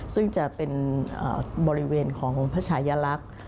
ซึ่งจะเป็นบริเวณของพระชายลักษณ์